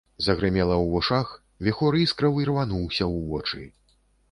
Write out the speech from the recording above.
Загрымела ў вушах, віхор іскраў ірвануўся ў вочы.